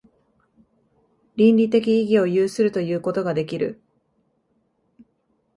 倫理的意義を有するということができる。